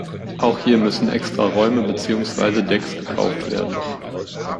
Auch hier müssen extra Räume beziehungsweise Decks gekauft werden.